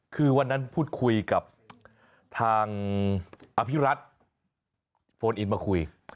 คือวันนั้นพูดคุยกับทางอภิรัตโฟนอินมาคุย